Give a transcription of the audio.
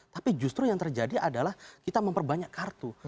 tapi justru yang terjadi adalah kita memperbanyak kartu